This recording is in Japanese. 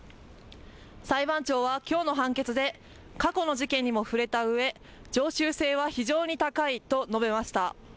裁判長はきょうの判決で過去の事件にも触れたうえ常習性は非常に高いと述べました。